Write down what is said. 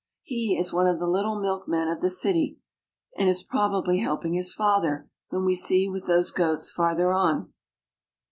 He is one of the little milkmen of the city, and is probably helping his father, whom we see with those goats farther on.